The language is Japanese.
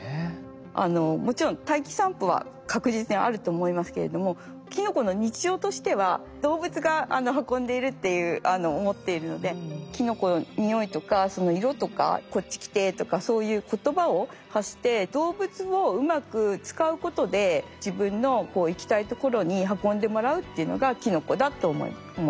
もちろん大気散布は確実にあると思いますけれどもていう思っているのでキノコの匂いとか色とか「こっち来て」とかそういう言葉を発して動物をうまく使うことで自分の行きたいところに運んでもらうっていうのがキノコだと思います。